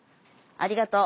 ありがとう。